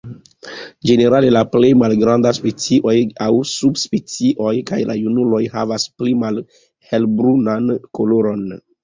Ĝenerale la plej malgrandaj specioj aŭ subspecioj kaj la junuloj havas pli malhelbrunan koloron.